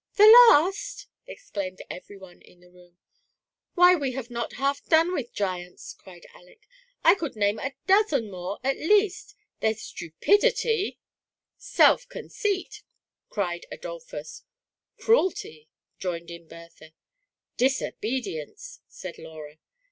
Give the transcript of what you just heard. "The last !" exclaimed every one in the room. "Why, we have not half done with giants," cried Aleck; " I could name a dozen more at least. There's Stupidity "— THE PRISONER IN DARKNESS. 147 "Self conceit," cried Adolphus. Cruelty," joined in Bertha. "Disobedience," added Laura.